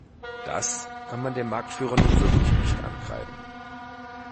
Das kann man dem Marktführer nun wirklich nicht ankreiden.